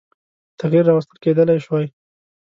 تغییر راوستل کېدلای شوای.